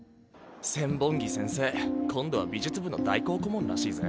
千本木先生今度は美術部の代行顧問らしいぜ。